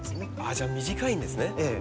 じゃあ短いんですね本来は。